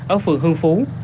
ở phường hương phú